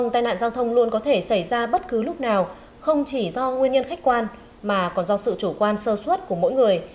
tai nạn giao thông luôn có thể xảy ra bất cứ lúc nào không chỉ do nguyên nhân khách quan mà còn do sự chủ quan sơ suất của mỗi người